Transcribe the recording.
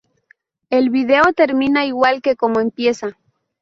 El video termina igual que como empieza.